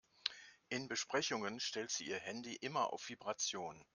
In Besprechungen stellt sie ihr Handy immer auf Vibration.